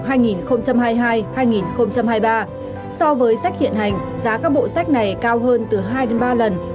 so với sách hiện hành giá các bộ sách này cao hơn từ hai đến ba lần